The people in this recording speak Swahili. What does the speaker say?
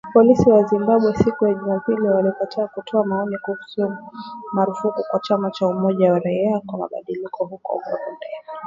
Polisi wa Zimbabwe, siku ya Jumapili walikataa kutoa maoni kuhusu marufuku kwa chama cha Umoja wa Raia kwa Mabadiliko huko Marondera